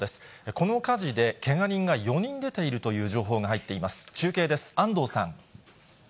この火事でけが人が４人出ているという情報が入っています。